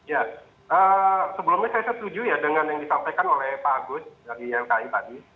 ya sebelumnya saya setuju ya dengan yang disampaikan oleh pak agus dari ylki tadi